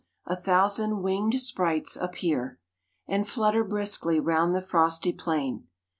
a thousand winged sprites appear And flutter briskly round the frosty plain.